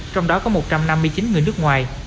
trong đó có một trăm năm mươi chín người nước ngoài